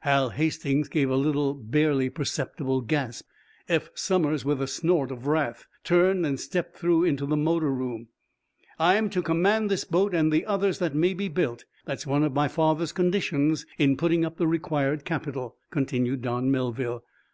Hal Hastings gave a little, barely perceptible gasp. Eph Somers, with a snort of wrath, turned and stepped through into the motor room. "I'm to command this boat, and the others that may be built; that's one of my father's conditions in putting up the required capital," continued Don Melville.